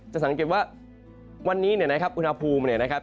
จะสังเกตว่าวันนี้เนี่ยนะครับอุณหภูมิเนี่ยนะครับ